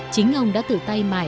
chính ông đã tự tay mải